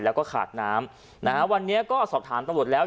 แล้วก็ขาดน้ำนะฮะวันนี้ก็สอบถามตำรวจแล้ว